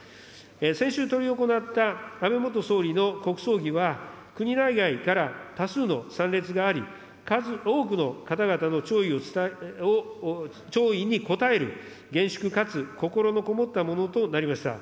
先週、執り行った安倍元総理の国葬儀は、国内外から多数の参列があり、数多くの方々の弔意に応える厳粛かつ心のこもったものとなりました。